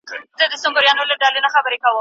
بیا دي څه الهام د زړه په ښار کي اورېدلی دی.